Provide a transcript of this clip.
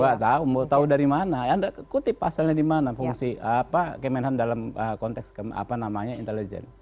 enggak tahu mau tahu dari mana anda kutip pasalnya dimana fungsi apa kemenhan dalam konteks apa namanya intelijen